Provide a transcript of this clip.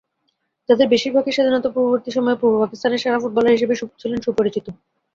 যাঁদের বেশির ভাগই স্বাধীনতা-পূর্ববর্তী সময়ে পূর্ব পাকিস্তানের সেরা ফুটবলার হিসেবে ছিলেন সুপরিচিত।